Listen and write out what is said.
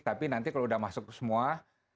tapi nanti kalau sudah masuk semua